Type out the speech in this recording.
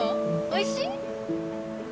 おいしい？